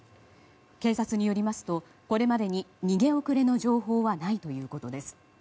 警察によりますとこれまでに逃げ遅れの情報はないということです。